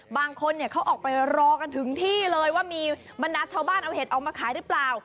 บางคนเขาออกไปรอกันถึงที่เลยว่ามีบรรดาชาวบ้านเอาเห็ดออกมาขายหรือเปล่า